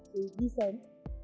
thì đi sớm